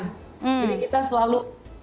jadi kita selalu